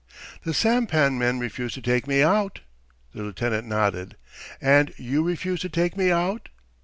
"The sampan men refuse to take me out?" The lieutenant nodded. "And you refuse to take me out?"